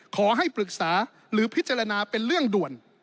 ขอให้ปรึกษาหรือพิจารณาเป็นเรื่องด่วน